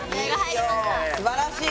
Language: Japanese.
すばらしい！